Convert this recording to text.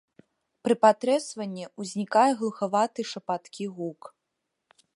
Пры патрэсванні ўзнікае глухаваты шапаткі гук.